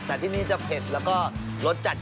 แต่ที่นี่จะเผ็ดแล้วก็รสจัด